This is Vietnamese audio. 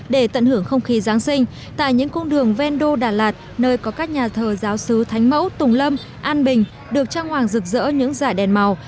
để tận hưởng không khí giáng sinh tại những cung đường ven đô đà lạt nơi có các nhà thờ giáo sứ thánh mẫu tùng lâm an bình được trang hoàng rực rỡ những giải đèn màu